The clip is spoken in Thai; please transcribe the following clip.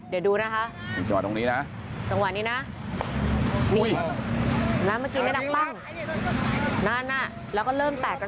เดี๋ยวดูนะคะ